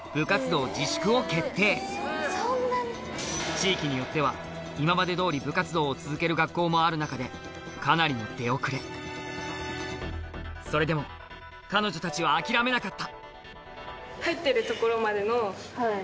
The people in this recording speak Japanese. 地域によっては今まで通り部活動を続ける学校もある中でかなりの出遅れそれでも彼女たちは諦めなかった